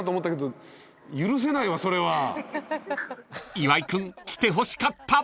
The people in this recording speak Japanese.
［岩井君来てほしかった］